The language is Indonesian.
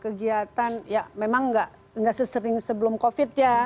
kegiatan ya memang nggak sesering sebelum covid ya